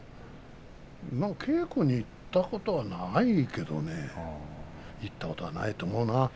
稽古に行ったことはないけどね行ったことはないと思うな。